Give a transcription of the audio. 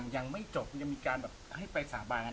ยามไปจบจะมีการไปสระบานอื่น